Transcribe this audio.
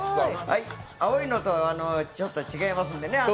青いのとちょっと違いますんでね。